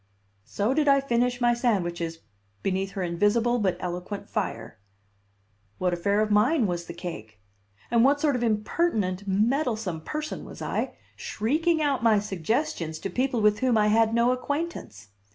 So did I finish my sandwiches beneath her invisible but eloquent fire. What affair of mine was the cake? And what sort of impertinent, meddlesome person was I, shrieking out my suggestions to people with whom I had no acquaintance?